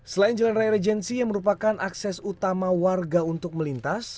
selain jalan raya regensi yang merupakan akses utama warga untuk melintas